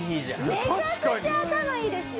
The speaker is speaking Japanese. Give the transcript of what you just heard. めちゃくちゃ頭いいですよ。